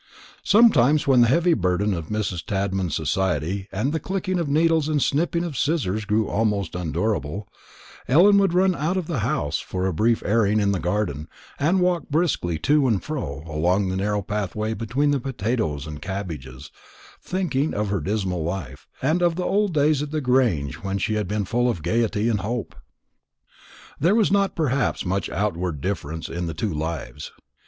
Sometimes, when the heavy burden of Mrs. Tadman's society, and the clicking of needles and snipping of scissors, grew almost unendurable, Ellen would run out of the house for a brief airing in the garden, and walk briskly to and fro along the narrow pathway between the potatoes and cabbages, thinking of her dismal life, and of the old days at the Grange when she had been full of gaiety and hope. There was not perhaps much outward difference in the two lives.